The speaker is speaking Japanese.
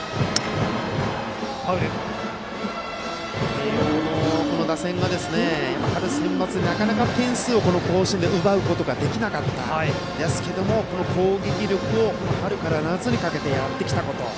慶応の打線が春センバツでなかなか点数を、この甲子園で奪うことができなかったんですがこの攻撃力を春から夏にかけてやってきたと。